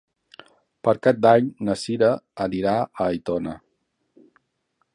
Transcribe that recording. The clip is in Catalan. Per Cap d'Any na Sira anirà a Aitona.